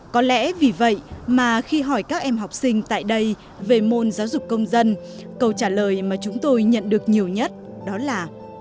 có lẽ vì vậy mà khi hỏi các em học sinh tại đây về môn giáo dục công dân câu trả lời mà chúng tôi nhận được nhiều nhất đó là